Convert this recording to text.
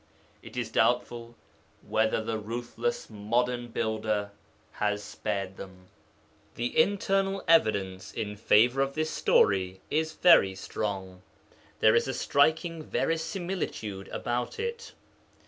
It is doubtful whether the ruthless modern builder has spared them. The internal evidence in favour of this story is very strong; there is a striking verisimilitude about it.